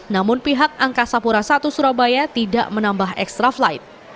namun pihak angkasa pura i surabaya tidak menambah ekstra flight